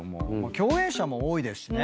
共演者も多いですしね。